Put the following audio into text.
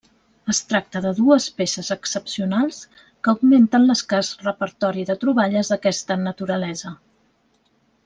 Es tracta de dues peces excepcionals que augmenten l'escàs repertori de troballes d'aquesta naturalesa.